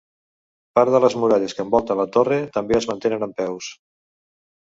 Part de les muralles que envolten la torre també es mantenen en peus.